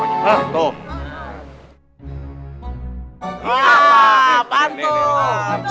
wah apaan tuh